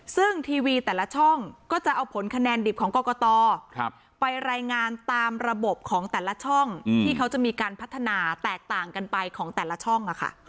ซึ่งทีวีแต่ละช่องก็จะเอาผลคะแนนดิบของกรกตไปรายงานตามระบบของแต่ละช่องที่เขาจะมีการพัฒนาแตกต่างกันไปของแต่ละช่อง